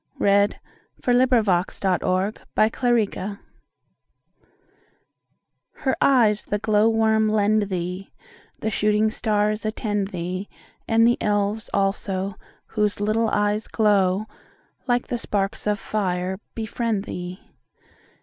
1591–1674 262. The Night piece: To Julia HER eyes the glow worm lend thee, The shooting stars attend thee; And the elves also, Whose little eyes glow Like the sparks of fire, befriend thee.